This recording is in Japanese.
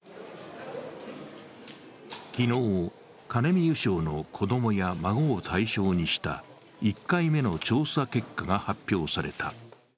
昨日、カネミ油症の子供や孫を対象とした１回目の調査結果が発表された。